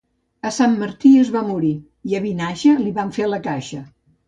A Sant Martí es va morir i a Vinaixa li van fer la caixa.